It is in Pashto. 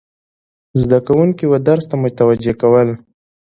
زده کوونکي و درس ته متوجه کول،